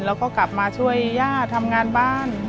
แล้วก็กลับมาช่วยย่าทำงานบ้าน